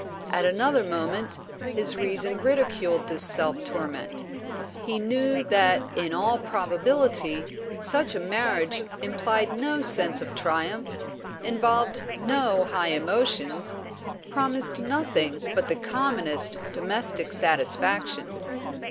At another moment, his reason ridiculed this self torment. He knew that in all probability such a marriage implied no sense of triumph, involved no high emotions, promised nothing but the commonest domestic satisfaction.